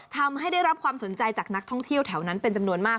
ทำให้ได้รับความสนใจจากนักท่องเที่ยวแถวนั้นเป็นจำนวนมาก